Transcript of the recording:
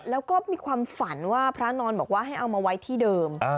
แล้วก็มีความฝันว่าพระนอนบอกว่าให้เอามาไว้ที่เดิม